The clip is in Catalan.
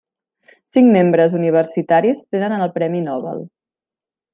Cinc membres universitaris tenen el Premi Nobel.